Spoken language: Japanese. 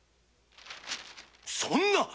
そんな！